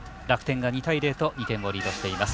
２対０と２点をリードしています。